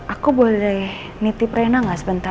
aku boleh nitip rena gak sebentar